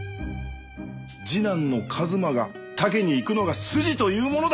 次男の一馬が他家に行くのが筋というものだ！